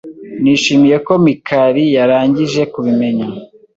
Nishimiye ko Mikali yarangije kubimenya.